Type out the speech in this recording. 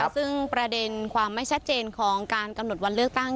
ซึ่งประเด็นความไม่ชัดเจนของการกำหนดวันเลือกตั้ง